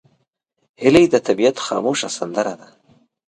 هیلۍ د طبیعت خاموشه سندره ده